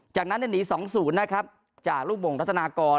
จากนั้นหนี๒๐นะครับจากลูกบ่งรัฐนากร